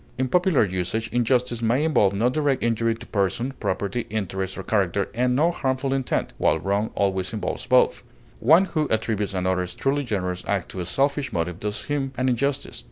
In popular usage, injustice may involve no direct injury to person, property, interest, or character, and no harmful intent, while wrong always involves both; one who attributes another's truly generous act to a selfish motive does him an injustice.